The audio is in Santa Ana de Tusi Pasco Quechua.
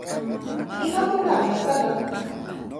¿Ima hunaqmi kanan?